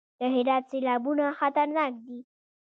د هرات سیلابونه خطرناک دي